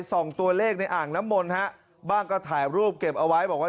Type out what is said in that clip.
ส่องตัวเลขในอ่างน้ำมนต์ฮะบ้างก็ถ่ายรูปเก็บเอาไว้บอกว่า